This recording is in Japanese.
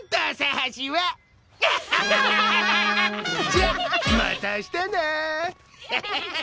じゃまた明日な！